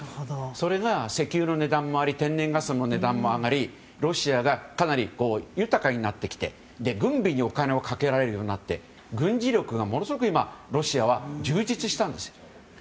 それが石油の値段も上がり天然ガスの値段も上がりロシアがかなり豊かになってきて軍備にお金をかけられるようになって軍事力がものすごくロシアは今、充実したんです。